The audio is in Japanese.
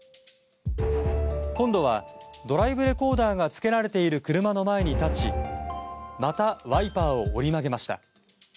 今度はドライブレコーダーがつけられている車の前に立ちまたワイパーを折り曲げました。